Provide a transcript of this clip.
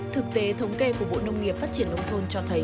thực tế thống kê của bộ nông nghiệp phát triển nông thôn cho thấy